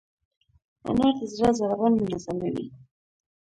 انار د زړه ضربان منظموي.